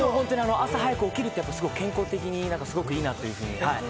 朝早く起きるのは健康的にいいなと。